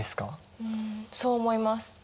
うんそう思います。